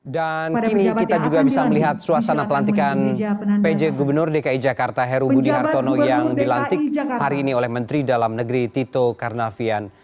kini kita juga bisa melihat suasana pelantikan pj gubernur dki jakarta heru budi hartono yang dilantik hari ini oleh menteri dalam negeri tito karnavian